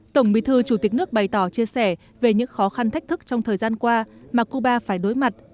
tổng bí thư chủ tịch nước bày tỏ chia sẻ về những khó khăn thách thức trong thời gian qua mà cuba phải đối mặt